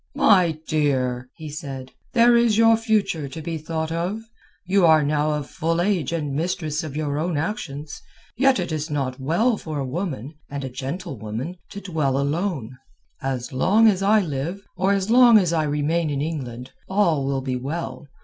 "My dear," he said, "there is your future to be thought of. You are now of full age and mistress of your own actions. Yet it is not well for a woman and a gentlewoman to dwell alone. As long as I live, or as long as I remain in England, all will be well.